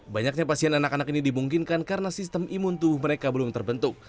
banyaknya pasien anak anak ini dimungkinkan karena sistem imun tubuh mereka belum terbentuk